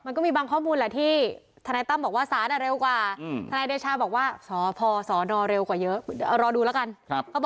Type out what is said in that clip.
ยิ่งคนที่ใกล้ตัวผมยิ่งต้องห่างเรื่องนี้นะครับ